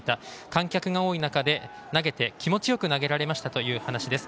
観客が多い中で気持ちよく投げられましたという話です。